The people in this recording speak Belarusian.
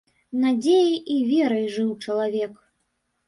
Надзеяй і верай жыў чалавек.